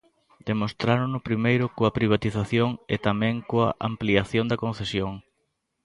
Demostrárono primeiro coa privatización e tamén coa ampliación da concesión.